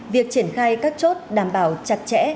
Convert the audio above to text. việc triển khai các chốt đảm bảo chặt chẽ